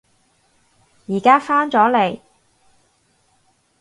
而家返咗嚟